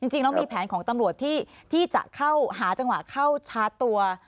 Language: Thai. จริงแล้วมีแผนของตำรวจที่จะเข้าหาจังหวะเข้าชาร์จตัว